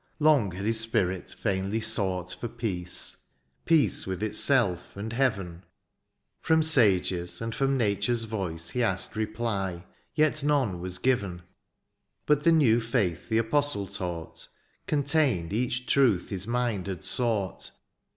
Long had his spirit vainly sought For peace ; peace with itself and heaven. From sages^ and from nature's voice He asked reply, yet none was given. But the new faith the apostle taught Contained each truth his mind had sought.